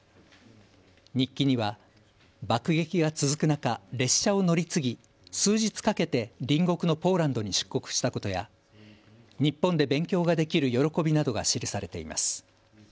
日記には、爆撃が続く中列車を乗り継ぎ数日かけて隣国のポーランドに出国したことや、日本で勉強ができる喜びなどが記されています。